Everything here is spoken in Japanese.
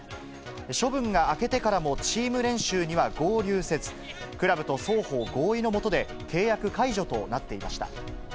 処分が明けてからもチーム練習には合流せず、クラブと双方合意のもとで、契約解除となっていました。